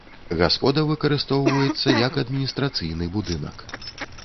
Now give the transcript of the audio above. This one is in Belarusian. Гаспода выкарыстоўваецца як адміністрацыйны будынак.